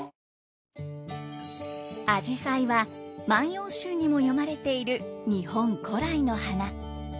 あじさいは「万葉集」にも詠まれている日本古来の花。